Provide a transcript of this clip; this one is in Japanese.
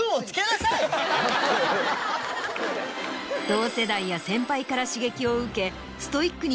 同世代や先輩から刺激を受け。